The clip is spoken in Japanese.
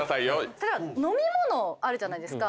例えば飲み物あるじゃないですか。